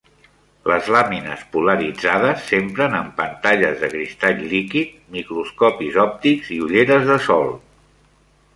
Les làmines polaritzades s'empren en pantalles de cristall líquid, microscopis òptics i ulleres de sol.